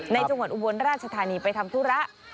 จังหวัดอุบลราชธานีไปทำธุระ